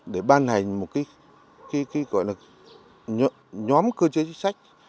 để ban hành một nhóm cơ chế chính sách